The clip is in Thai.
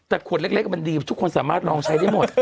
แต่ขวดเล็กมันดีทุกคนสามารถลองใช้ได้หมด